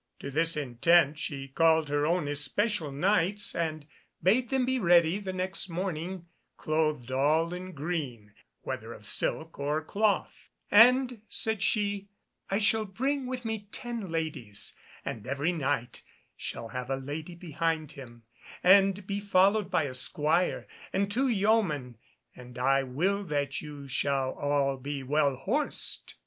To this intent she called her own especial Knights, and bade them be ready the next morning clothed all in green, whether of silk or cloth, "and," said she, "I shall bring with me ten ladies, and every Knight shall have a lady behind him, and be followed by a Squire and two yeomen, and I will that you shall all be well horsed."